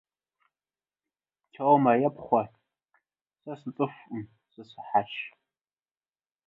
«Тёма, апорт!» — «Я вообще-то человек, а не собака».